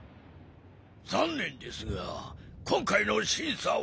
ざんねんですがこんかいのしんさは。